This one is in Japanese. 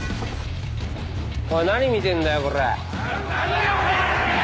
おい何見てんだよコラァ。